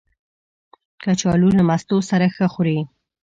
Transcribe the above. کچالو له مستو سره ښه خوري